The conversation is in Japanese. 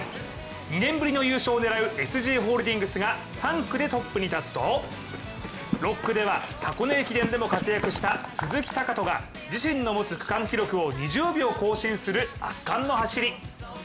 ２年ぶりの優勝を狙うＳＧホールディングスが３区でトップに立つと６区では、箱根駅伝でも活躍した鈴木塁人が自身の持つ区間記録を２０秒更新する圧巻の走り。